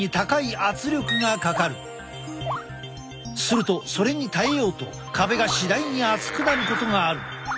するとそれに耐えようと壁が次第に厚くなることがある。